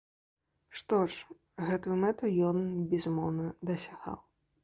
Што ж, гэтую мэту ён, безумоўна, дасягаў.